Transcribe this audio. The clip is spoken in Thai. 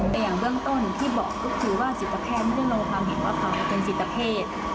แต่อย่างเรื่องต้นพี่บอกก็คือว่าสิทธิแพทย์มีเรื่องรวมความเห็นว่าเขาเป็นสิทธิแพทย์